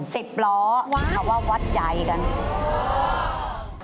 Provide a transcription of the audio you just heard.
สิบล้อเขาว่าวัดใจกันว้าว